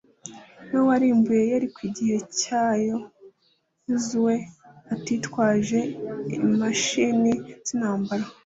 we warimbuye yeriko igihe cya yozuwe atitwaje imashini z'intambara